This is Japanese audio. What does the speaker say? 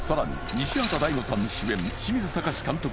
西畑大吾さん主演清水崇監督